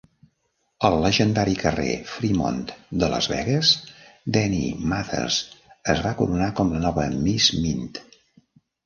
Al llegendari carrer Freemont de Las Vegas, Dani Mathers es va coronar com la nova Miss Mint.